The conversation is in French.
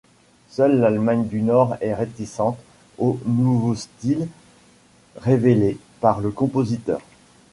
Seule l'Allemagne du Nord est réticente au nouveau style révélé par le compositeur.